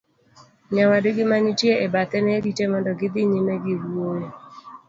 nyawadgi manenitie e bathe ne rite mondo gi dhi nyime gi wuoyo